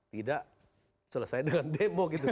tidak selesai dengan demo